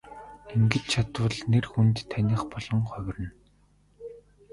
Ингэж чадвал нэр хүнд таных болон хувирна.